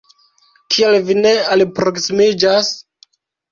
Kial vi ne alproksimiĝas?